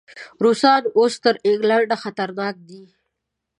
روسان اوس تر انګلینډ خطرناک دي.